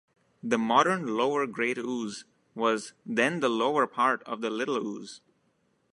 The modern lower Great Ouse was then the lower part of the Little Ouse.